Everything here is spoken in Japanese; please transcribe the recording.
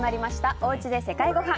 おうちで世界ごはん。